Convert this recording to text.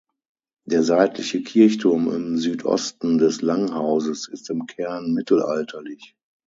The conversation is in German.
Der seitliche Kirchturm im Südosten des Langhauses ist im Kern mittelalterlich.